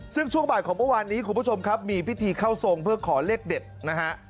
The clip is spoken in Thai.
ซึ่งช่วงบ่ายของเมื่อวานนี้คุณผู้ชมครับมีพิธีเข้าทรงเพื่อขอเลขเด็ดนะฮะ